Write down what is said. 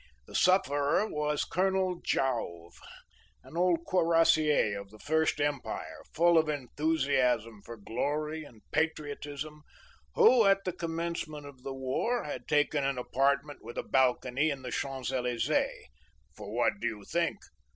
The sufferer was Colonel Jouve, an old Cuirassier of the First Empire, full of enthusiasm for glory and patriotism, who, at the commencement of the war, had taken an apartment with a balcony in the Champs Elysées—for what do you think?